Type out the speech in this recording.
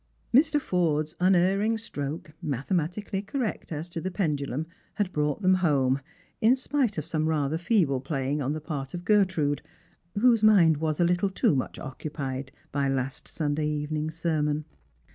Mr. Forde's un erring stroke, mathematically correct as the pendulum, had brought them home, in spite of some rather feeble playing on the {)art of Gertrude, whose mind was a little too much occupied by ast Sunday evening's sermon.